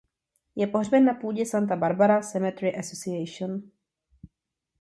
Je pohřben na půdě Santa Barbara Cemetery Association.